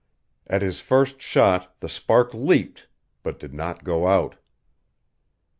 At his first shot the spark leaped, but did not go out.